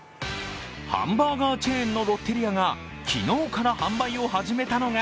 ハンバーガーチェーンのロッテリアが昨日から販売を始めたのが